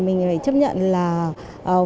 mình phải chấp nhận là doanh thu